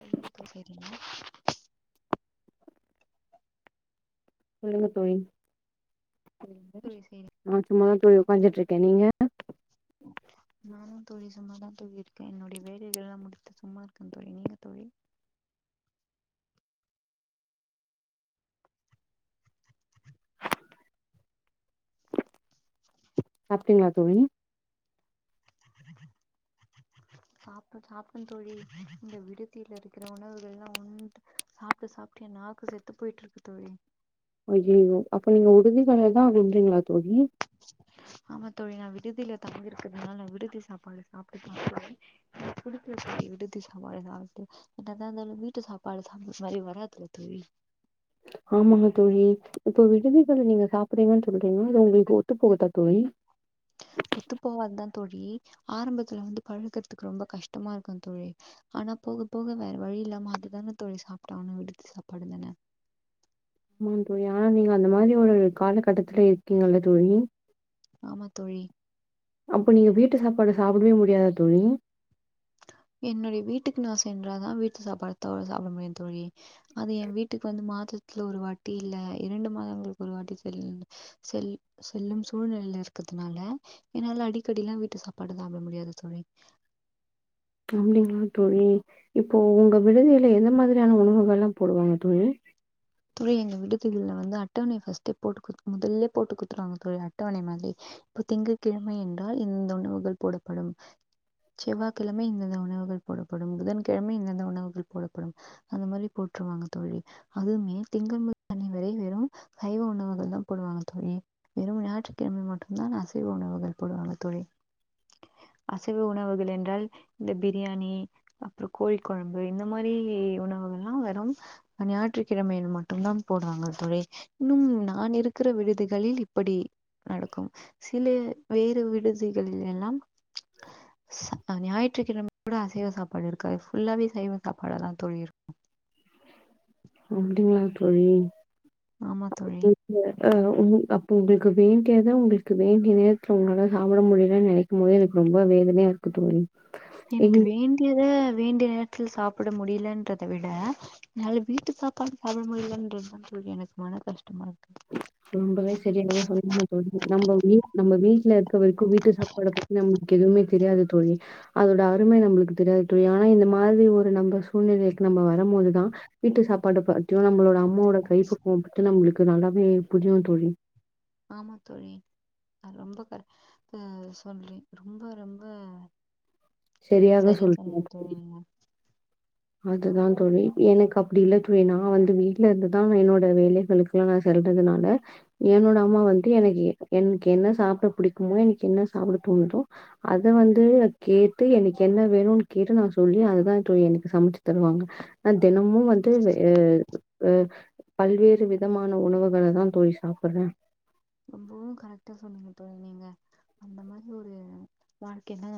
சொல்லுங்க தோழி செய்றீங்க சொல்லுங்க தோழி தோழி சரி நா சும்மாதா தோழி உட்காஞ்சுட்டு இருக்கே நீங்க நானு தோழி சும்மாதா தோழி இருக்கே என்னுடைய வேலைகல்லா முடித்து சும்மா இருக்கே தோழி நீங்க தோழி சாப்டீங்களா தோழி சாப்டே சாப்டே தோழி இந்த விடுதில இருக்குற உணவுகல்லா உண்டு சாப்டு சாப்டு எ நாக்கு செத்து போயிட்டு இருக்கு தோழி ஐயையோ அப்ப நீங்க வுடுதிகள தா வுட்றிங்களா தோழி ஆமா தோழி நா விடுதில தங்கி இருக்கிறதுனால விடுதி சாப்பாடு சாப்ட்டு தா ஆகணு புடிக்கல தோழி விடுதி சாப்பாடு சாப்ட்டு என்னதா இருந்தாலு வீட்டு சாப்பாடு சாப்பற மாரி வராதுல தோழி ஆமாங்க தோழி இப்போ விடுதிகள் நீங்க சாப்றீங்கன் சொல்றீங்க இது ஒங்களுக்கு ஒத்து போகுதா தோழி ஒத்து போவாத்தா தோழி ஆரம்பத்துல இந்து பழகுறதுக்கு ரொம்ப கஷ்டமா இருக்கு தோழி ஆனா போக போக வேற வழி இல்லாம அதுதான தோழி சாப்டாகனு விடுதி சாப்பாடு தான ஆமாங்க தோழி ஆனா நீங்க அந்த மாரி ஒரு காலகட்டத்துல இருக்கீங்கல்ல தோழி ஆமா தோழி அப்போ நீங்க வீட்டு சாப்பாடு சாப்டவே முடியாதா தோழி என்னுடைய வீட்டுக்கு நா சென்றாதா வீட்டு சாப்பாடு தோழ சாப்ட முடியு தோழி அது ஏ வீட்டுக்கு வந்து மாதத்துல ஒரு வாட்டி இல்ல இரண்டு மாதங்களுக்கு ஒரு வாட்டி சொல் செல் செல்லும் சூழ்நிழல்ல இருக்கறதுனால என்னால அடிக்கடிலா வீட்டு சாப்பாடு சாப்ட முடியாது தோழி அப்டிங்களா தோழி இப்போ உங்க விடுதியில எந்த மாதிரியான உணவுகல்லா போடுவாங்க தோழி துறை எங்க விடுதிகல்ல வந்து அட்டவணை ஃபஸ்ட்டே போட்டு குடுத் முதல்லே போட்டு குடுத்றாங்க தோழி அட்டவண மாதி இப்போ திங்கள் கிழமை என்றால் இந்த உணவுகள் போடப்படும் செவ்வாய் கிழமை இந்தந்த உணவுகள் போடப்படும் புதன்கிழமை இந்தந்த உணவுகள் போடப்படும் அந்த மாதிரி போட்டுருவாங்க தோழி அதுவுமே திங்கள் முதல் இதுவரை வெறும் சைவ உணவுகள் தா போடுவாங்க தோழி வெறும் ஞாயிற்றுக்கிழமை மட்டும்தா அசைவ உணவுகள் போடுவாங்க தோழி அசைவ உணவுகள் என்றால் இந்த பிரியாணி அப்றோ கோழி குழம்பு இந்த மாதிரி உணவுகெல்லா வெறும் அ ஞாயிற்றுக் கிழமையில் ம ட்டுதா போடுவாங்க தோழி இன்னும் நா இருக்குற விடுதிகளில் இப்படி நடக்கும் சில வேறு விடுதிகளில் எல்லாம் அ ச ஞாயிற்றுக்கிழம கூட அசைவ சாப்பாடு இருக்காது ஃபுல்லாவே சைவ சாப்பாட தா தோழி இருக்கு அப்டிங்ளா தோழி ஆமா தோழி ய அவ் உங்கு அப்போ உங்களுக்கு வேண்டியதா உங்களுக்கு வேண்டிய நேரத்துல உங்களால சாப்ட முடியலன் நனைக் கு போதே எனக்கு ரொம்ப வேதனையா இருக்கு தோழி எனக்கு எங்களுக்கு வேண்டியத வேண்டிய நேரத்ல சாப்ட முடிலன்றத விட என்னால வீட்டு சாப்பாடு சாப்ட முடியலன்ற தா தோழி எனக்கு மண கஷ்டமா இருக்கு ரொம்பவே செரியாக சொல்லிங்க தோழி நம்ப வீட் நம்ப வீட்ல இருக்க வரைக்கு வீட்டு சாப்பாடு பத் நம்க்கு எதுவுமே தெரியாது தோழி அதோட அருமை நம்ளுக்கு தெரியாது தோழி ஆனா இந்த மாதிரி ஒரு நம்ப சூழ்நிலைய நம்ப வரம்போது தா வீட்டு சாப்பாடு பத்தியோ நம்பளோட அம்மாவோட கை பக்குவம் பத்தி நம்ளுக்கு நல்லாவேவு புரியு தோழி ஆமா தோழி நா ரொம்ப கர் அ சொல்லி ரொம்ப ரொம்ப சரியாக சரியா சொன்னிங்க தோழி நீங்க அதுதா தோழி எனக்கு அப்டி இல்ல தோழி நா வந்து வீட்ல இருந்துதா என்னோட வேலைகளுக்கு இவங்க சொல்றதுனால என்னோட அம்மா வந்து எனக்கி என்கு என்ன சாப்ட புடிக்குமோ எனக்கு என்ன சாப்ட தோணுதோ அது வந்து கேட்டு எனக என்ன வேணுன் கேட்டு நா சொல்லி அதுதா இப்போ எனக் சமைச்சு தருவாங்க அ தெனமு வந்து வெ வ பல்வேறு விதமான உணவுகள தா தோழி சாப்பற்றே ரொம்புவு கரெக்டா சொன்னீங்க தோழி நீங்க அந்த மாரி ஒரு வாழ்க்கையினா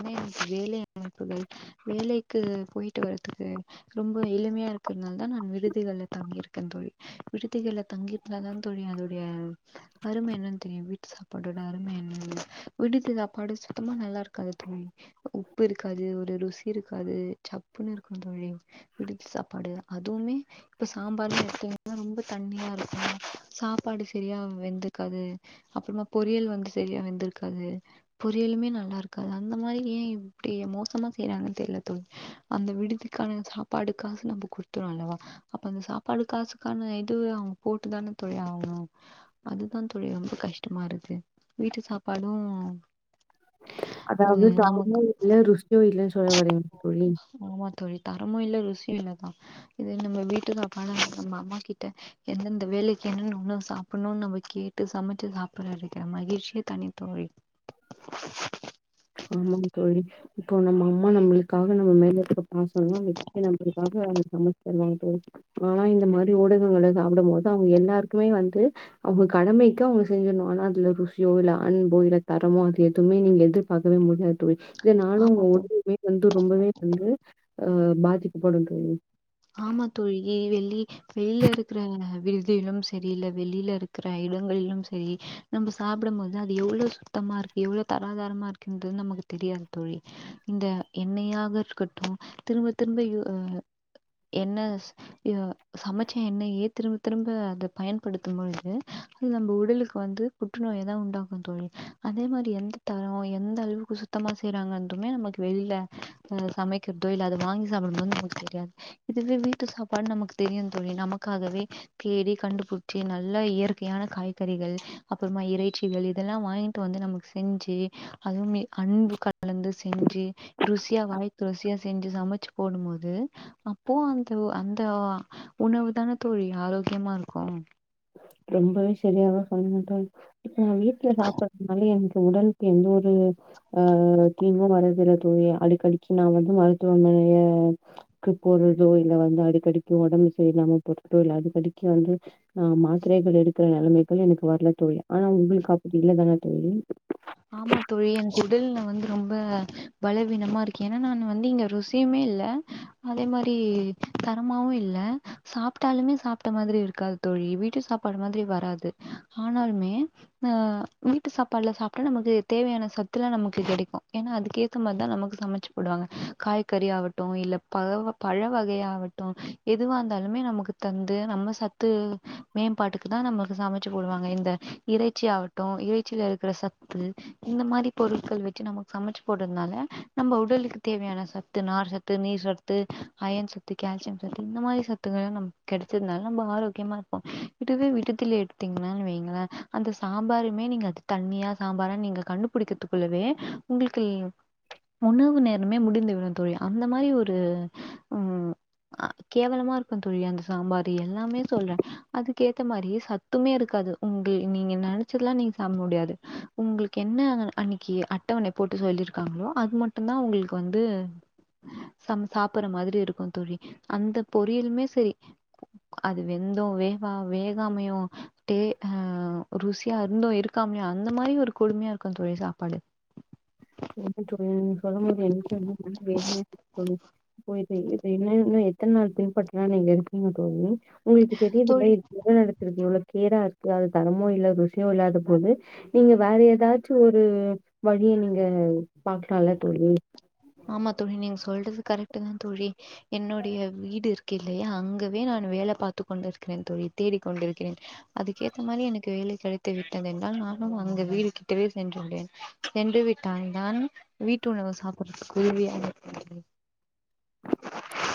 [inaudible] வேலை அமைப்புகள் வேலைக்கு போயிட்டு வறதுக்கு ரொம்போ எளிமையா இருக்கற்னால்தா நா விடுதிகள்ல தங்கியிருக்கே தோழி விடுதுகள்ல தங்கியிர்ந்தான் தோழி அதுடைய அரும என்னன் தெரியு வீட்டு சாப்பாடோட அரும என்னனு விடுதி சாப்பாடு சுத்தமா நல்லா இருக்காது தோழி உப்பு இருக்காது ஒரு ருசி இருக்காது சப்புனு இருக்கு தோழி விடுதி சாப்பாடு அதுவுமே இப்ப சாம்பார்ல எடுத்திங்னா ரொம்பே தண்ணியா இருக்கு சாப்பாடு செரியா வெந்துர்க்காது அப்றமா பொரியல் வந்து செரியா வெந்துர்க்காது பொரியலுமே நல்லா இருக்காது அந்த மாரி ஏ இப்டி எமோசமா செய்றாங்கன் தெர்ல தோழி அந்த விடுதிக்கான சாப்பாடுக்காசு நம்ப குடுத்துருவோ அல்லவா அப்ப அந்த சாப்பாடு காசுக்கான இது அவுங் போட்டுதான தோழி ஆவணு அதுதா தோழி ரொம்ப கஷ்டமா இருக்கு வீட்டு சாப்பாடு அதாவது தரமோ இல்ல ருசியோ இல்ல சொல்ல வரங்க தோழி ஆமா தோழி தரமு இல்ல ருசியு இல்லதா இதே நம்ம வீட்டுசாப்பாட இருந்தா நம்ம அம்மா கிட்ட எந்தெந்த வேலைக் என்னன்ன உணவு சாப்புண்னுன் நம்ம கேட்டு சமைச்சு சாப்புற்ற இருக்கிற மகிழ்ச்சியே தனித்தோழி ஆமாம் தோழி இப்போ நம்ம அம்மா நம்ளுக்காக நம்ம மேல இருக்க பாசல்லா வெக்கனுங்குரதுக்காக அவுங்க சமச்சு தருவாங்க தோழி ஆனா இந்த மாரி ஊடகங்கள சாப்டம் போதுதா அவங்க எல்லாருக்குமே வந்து அவுங்க கடமைக்கு அவுங்க செஞ்சுன்னு ஆனா அதுல ருசியோ இல்ல அன்போ இல்ல தரமோ அது எதுவுமே நீங்க எதுர் பாக்கவே முடியாது தோழி இதே நானு ஆமா தோழி. [unintelligible] வந்து ரொம்பவே வந்து அ பாதிக்கப்படோ தோழி ஆமா தோழி ஏ வெளி வெளில இருக்குற வி டுதியிலும் சரி இல்ல வெளியில இருக்குற இடங்கள்லும் செரி நம்ப சாப்டம் போதுதா அது எவ்ளோ சுத்தமா இருக்கு எவ்ளோ தராதாரமா இருக்குன்றது நமக்கு தெரியாது தோழி இந்த எண்ணெய்யாக இருக்கட்டு திரும்ப திரும்ப யு அ என்ன ஸ் ய சமைச்ச எண்ணெய்யையே திரும்ப திரும்ப அத பயன்படுத்தும் பொழுது அது நம்ப உடலுக்கு வந்து புற்றுநோயதா உண்டாக்கு தோழி அதே மாரி எந்த தரோ எந்த அளவுக்கு சுத்தமா செய்றாங்கந்துமே நமக்கு வெளில ஒ சமைக்கிற்தோ இல்ல அத வாங்கி சாப்பற்றதோ நமக்கு தெரியாது இதுவே வீட்டு சாப்பாடு நமக்கு தெரியும் தோழி நமக்காகவே தேடி கண்டுப்புச்சி நல்ல இயற்கையான காய்கறிகள் அப்றமா இறைச்சிகள் இதெல்லா வாங்கிட்டு வந்து நமக்கு செஞ்சு அதுவுமே அன்பு கலந்து செஞ்சு ருசியா வாய்க்கு ருசியா செஞ்சு சமைச்சு போடும்போது அ ப்போ அந்த அந்த உணவு தான தோழி ஆரோக்கியமா இருக்கு ரொம்பவே செரியாக சொல்றிங்க தோழி இப்போ வீட்ல சாப்ப னால எனுக்கு உடலுக்கு எந்த ஒரு அ ஒரு தீங்கோ வரது இல்ல தோழி அடிக்கடிக்கி நா வந்து மருத்துவ மனைய க்கு போறதோ இல்ல வந்து அடிக்கடிக்கி ஒடம்பு செறில்லாம போர்துகோ இல்ல அடிக்கடிக்கி வந்து ஆ மாத்திரைகள் எடுக்குற நெலமைக்கு எனக்கு வர்ல தோழி ஆனா உங்ளுக்கு அப்டி இல்லதானே தோழி ஆமா தோழி எனுக்கு உடல்ல வந்து ரொம்ப பலவீனமா இருக்கு ஏனா நானு வந்து இங்க ருசியுமே இல்ல அதே மாரி தரமாவு இல்ல சாப்டாலுமே சாப்ட மாதிரி இருக்காது தோழி வீட்டு சாப்பாடு மாதிரி வராது ஆனாலுமே ம் வீட்டு சாப்பாடுலா சாப்ட்டா ஆனா நமக்கு தேவையான சத்துல்லா நமக்கு கெடைக்கு ஏன்னா அதுக்கேத்த மாறி தா நமக்கு சமைச்சுப்போடுவாங்க காய்கறி ஆகட் இல்ல பழ பழ வகையாகட்டு எதுவா இருந்தாலுமே நமக்கு தந்து நம்ம சத்து மேம்பாட்டுக்கு தா நம்மக்கு சமைச்சு போடுவாங்க இந்த இறைச்சி ஆகட்டு இறைச்சியில இருக்கிற சத்து இந்த மாரி பொருட்கள் வச்சு நமக்கு சமைச்சு போடுறதுனால நம்ம உடலுக்கு தேவையான சத்து நார் சத்து நீர் சத்து சத்து அயன் சத்து கேல்சியம் சத்து இந்த மாரி சத்துகள் நமக்கு கெடைச்சதுனால நம்ம ஆரோக்கியமா இருக்கோ இதுவே விடுதில எடுத்தீங்கனாளு வைங்களே அந்த சாம்பாருமே நீங்க அது தண்ணியா சாம்பாரானு நீங்க கண்டுபிடிக்கிறதுக்குள்ளவே உங்களுக்கு உணவு நேரமே முடிந்து விடு தோழி அந்த மாரி ஒரு உம் ஆ கேவலமா இருக்கும் தோழி அந்த சாம்பார் எல்லாமே சொல்றே அதுக்கேத்த மாரியே சத்துமே இருக்காது உங்க நீங்க நெ ச்சதுலா நீங்க சாப்பிட முடியாது உங்களுக்கு என்ன அன்னைக்கு அட்டவணை போட்டு சொல்லியிருக்காங்களோ அது மட்டும்த்தா உங்களுக்கு வந்து சம் சாப்பற மாதிரி இருக்கும் தோழி அந்த பொரியலுமே சரி அது வெந்து வேகா வேகாமையு டே ஆ ருசியா இருந்து இருக் காமயும் அந்த மாரி ஒரு கொடுமையா இருக்கு தோழி சாப்பாடு [unintelligible] தோழி நீங்க சொல்லும் போது எனக்கே [unintelligible] இருக்கு தோழி ஓ இது இது இன்னு இன்னு எத்தன நாள் பின்பற்றலா நீங்க இருக்கீங்க தோழி உங்களுக்கு தோழி தெரியுத்தில்லா [unintelligible] அது தரமு இல்ல ருசியு இல்லதா போது நீங்க வேற ஏதாச்சு ஒரு வழிய நீங்க பாக்கலால தோழி ஆமா தோழி நீங்க சொல்றது கரெக்ட் தா தோழி என்னுடைய வீடு ருக்கில்லையா அங்கவே நானு வேல பாத்து கொண்டிருக்கிறே தோழி தேடிக் கொண்டிருக்கிறே அதுக்கேத்த மாரி எனக்கு வேலை கிடைத்து விட்டது என்றால் நானும் அங்க வீடு கிட்டவே சென்று விடுவேன் சென்று விட்டால் தான் வீட்டு உணவு சாப்பிடுறதுக்கு உதவியாருக்கு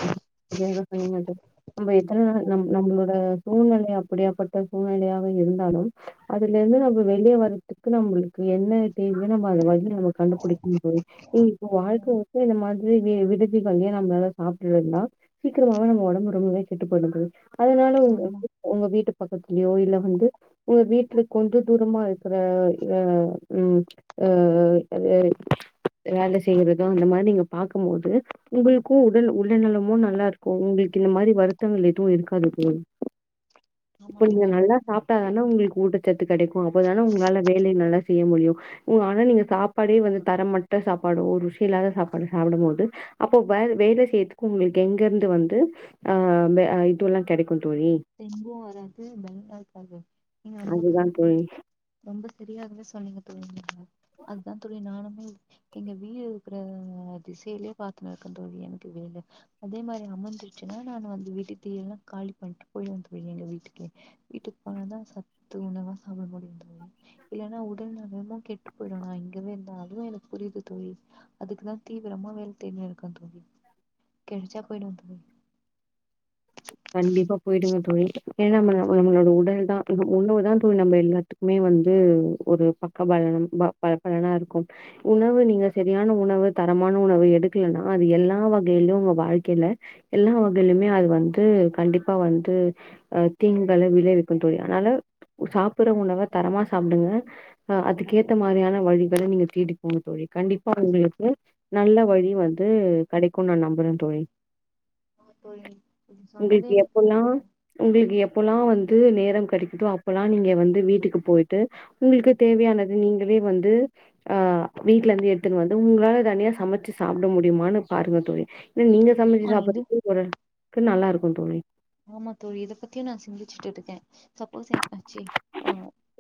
ம் [unintelligible] நம்ம எத்துன நம் நம்மளோட சூழ்நிலை அப்படியாப்பட்ட சூழ்நிலையாக இருந்தாலும் அதுல இருந்து நம்ம வெளிய வர்றதுக்கு நம்மளுக்கு என்ன இல்ல நம்ம அத வந்து நம்ம கண்டுபிடிக்கணு தோழி [unintelligible] இப்போ வாழ்க்க வந்து அந்த மாரி [unintelligible] சாப்ட்டுட்டு இருந்தா சீக்கிரமவே நம்ம உடம்பு ரொம்பவே கெட்டு போயிடு தோழி அதனால உங்க ஆமா உங்க வீட்டு பக்கத்துலயோ இல்ல வந்து உங்க வீட்டுல கொஞ்ச தூரமா இருக்கற ஆ ம் ஆ [unintelligible] வேல செய்றதோ அந்த மாரி நீங்க பாக்கு போது உங்களுக்கு உடல் நலமு நல்லாருக்கு உங்களுக்கு இந்த மாரி வருத்தங்கள் எதுவு இருக்காது தோழி ஆமா இப்ப நீங்க தோழி நல்லா ரொம்ப நேரம் சாப்ட்டாதானா உங்களுக்கு ஊட்டச்சத்து கிடைக்கு அப்பதான உங்களால வேலை நல்லா செய்ய முடியு ஆனா நீங்க சாப்பாடே வந்து தரமாட்டா சாப்பாடு ஒரு ருசி இல்லாத சாப்பாடு சாப்டும் போது அப்போ [unintelligible] சேத்துக்கும் உங்களுக்கு எங்கிருந்து வந்து ஆ இதுல்லா கிடைக்கு தோழி டெங்கு வராது பயமா இருக்காது நீங்க ரொம்ப அதுதா கரெக்டா தோழி ரொம்ப சரியாகவே சொன்னீங்க தோழி நீங்க அதுதா தோழி நானுமே எங்க வீடு இருக்கிற திசையிலயே பாத்தன்னுருக்க தோழி எனக்கு வேல அதே மாரி அமைச்சுன்னா நானு வந்த வீட்டுல்லா காலி பண்றே போயிவே தோழி எங்க வீட்டுக்கே வீட்டுக்கு போனாதா சத்து உணவா சாப்பிட முடியும் தோழி இல்லன்னா உடல் நலமு கெட்டு போயிடு நா இங்கவே இருந்தா அதுவு எனக்கு புரியுது தோழி அதுக்குதா தீவிரமா வேல தேடின்னு இருக்க தோழி கிடச்சா போயிடுவ தோழி கண்டிப்பா போயிடுங்க தோழி ஏன்னா நா நம்மளோட உடல் தா இப்போ உணவு தா தோழி நம்ம எல்லா துணி வந்து ஒரு பக்க பாயநம் பா பலானருக்கு உணவு நீங்க சரியான உணவு தரமான உணவு எடுக்கலனா அது எல்லா வகையிலயும் உங்க வாழ்க்கையில எல்லா வகையிலுமே அது வந்து கண்டிப்பா வந்து ஆ தீங்குகள விளைவிக்கு தோழி அனால சாப்பிடுற உணவ தரமா சாப்டுங்க அ அதுக்க ஏத்த மாரியான வழிகள நீங்க தீடிப்போங்க தோழி கண்டிப்பா உங்களுக்கு நல்ல வழி வந்து கேடைக்கு நா நம்புறே தோழி [unintelligible] சொன்னதே உங்களுக்கு எனக்கு எப்பல்லா ரொம்ப உங்களுக்கு எப்பல்லா வந்து நேரம் கிடைக்குதோ அப்பல்லா நீங்க வந்து வீட்டுக்கு போயிட்டு உங்களுக்கு தேவையானது நீங்களே வந்து ஆ வீட்டுல இருந்து எடுத்துட்டு வந்து உங்களால தனியா சமச்சு சாப்ட முடியுமான்னு பாருங்க தோழி நீங்க சமைச்சு ஆ இது சாப்டுறதுக்கு ஒரு அளவுக்கு நல்லா இருக்கு தோழி ஆமா தோழி இத பத்தியு நா சிந்திச்சுட்டு இருக்கே சப்போஸ் எ ஆ ஆச்சு அ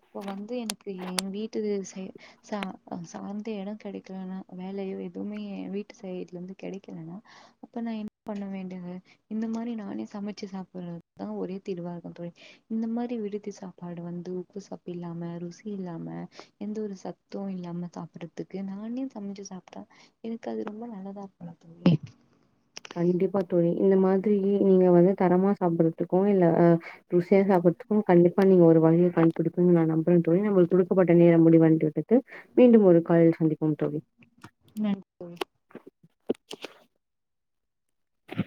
இப்ப வந்து எனக்கு ஏ வீட்டுது செய் சார் சார்ந்த இடம் கெடைக்கலனா வேலையோ எதுவுமே ஏ வீட்டு சய்டு இருந்து கெடைக்கலனா அப்ப நா என்ன பண்ண வேண்டுது இந்த மாரி நானே சமைச் ச்சு சாப்பிடுறதுதா ஒரே தீர்வா இருக்கு தோழி இந்த மாரி விடுதி சாப்பாடு வந்து உப்பு சப்பு இல்லாம ருசி இல்லாம எந்த ஒரு சத் து இல்லாம சாப்பிடதுக்கு நானே சமைச்சு சாப்ட்டா எனக்கு அது ரொம்ப நல்லதா இருக்குமா தோழி கண்டிப்பா தோழி இந்த மாரி நீங்க வந்து தரமா சாப்பிடறதுக்கு இல்ல அ ருசியா சாப்படறதுக்கு கண்டிப்பா நீங்க ஒரு வழிய கண்டுகுடுபிங்க நா நம்புறேன்ங்க நம்ளுக்கு குடுக்கப்பட்ட நேரோ முடிவடைந்து விட்டது மீண்டும் ஒரு காலில் சந்திப்போம் தோழி நன்